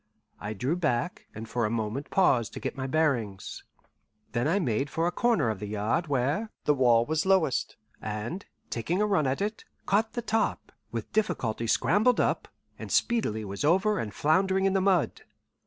I drew back, and for a moment paused to get my bearings. Then I made for a corner of the yard where the wall was lowest, and, taking a run at it, caught the top, with difficulty scrambled up, and speedily was over and floundering in the mud.